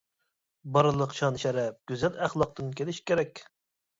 بارلىق شان-شەرەپ گۈزەل ئەخلاقتىن كېلىشى كېرەك.